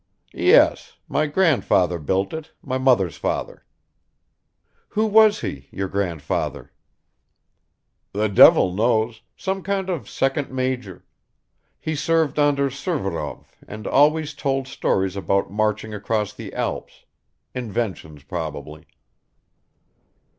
"Yes. My grandfather built it, my mother's father." "Who was he, your grandfather?" "The devil knows some kind of second major. He served under Suvorov and always told stories about marching across the Alps inventions probably."